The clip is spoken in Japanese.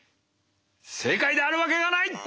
正解であるわけがない！